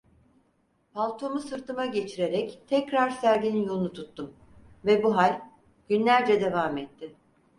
Paltomu sırtıma geçirerek tekrar serginin yolunu tuttum; ve bu hal, günlerce devam etti.